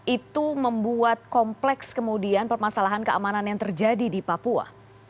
itu membuat kompleks kemudian permasalahan keamanan yang terjadi di papua